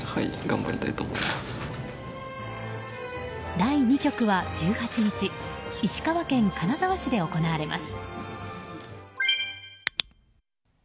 第２局は１８日石川県金沢市で行われます。